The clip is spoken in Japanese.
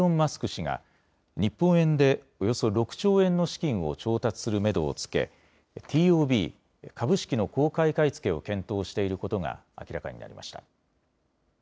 氏が日本円でおよそ６兆円の資金を調達するめどをつけＴＯＢ・株式の公開買い付けを検討していることが明らかになりました。